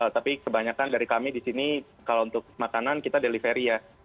tapi kebanyakan dari kami di sini kalau untuk makanan kita delivery ya